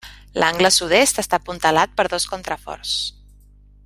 L'angle sud-est està apuntalat per dos contraforts.